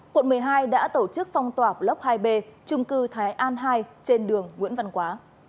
quận một mươi hai đã tổ chức phong tỏa block hai b trung cư thái an hai trên đường nguyễn văn quá